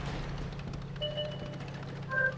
只要立刻改了，